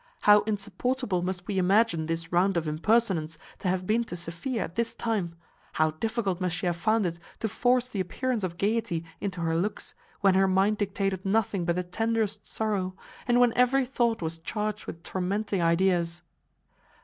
How insupportable must we imagine this round of impertinence to have been to Sophia at this time; how difficult must she have found it to force the appearance of gaiety into her looks, when her mind dictated nothing but the tenderest sorrow, and when every thought was charged with tormenting ideas!